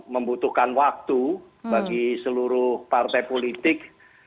membutuhkan waktu bagi seluruh partai politik